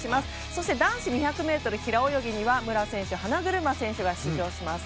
そして、男子２００ｍ平泳ぎには武良選手、花車選手が出場します。